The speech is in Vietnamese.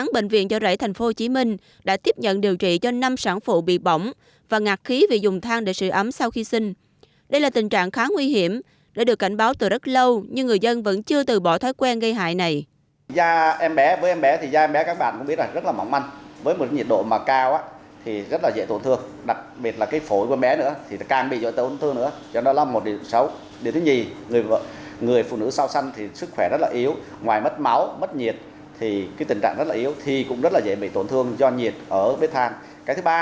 bệnh viện trợ rẫy tp hcm đã tiếp nhận và điều trị cho năm sản phụ bị bỏng ngạt khí do dùng than để sửa ấm sau khi sinh các bác sĩ buộc phải nhập viện cấp cứu trong tình trạng bỏng nặng vai và cánh tay trái vết thương bị hoại tử